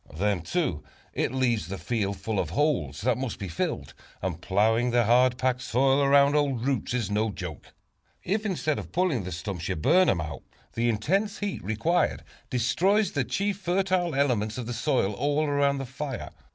Then too, it leaves the field full of holes, that must be filled; and plowing the hard packed soil around old roots is no joke. If instead of pulling the stumps, you burn them out, the intense heat required destroys the chief fertile elements of the soil all around the fire.